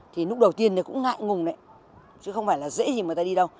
thì lúc đầu tiên cũng ngại ngùng đấy chứ không phải là dễ gì mà người ta đi đâu